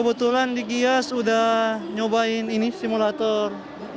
saya yang di gias sudah nyobain ini simulator